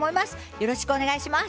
よろしくお願いします。